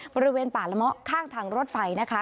บริเวณป่าละเมาะข้างทางรถไฟนะคะ